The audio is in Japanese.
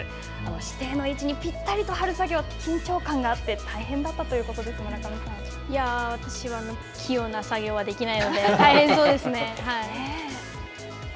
指定の位置にぴったりと貼る作業緊張感があって、大変だったということですが、私は器用な作業はできないので、大変そうですね。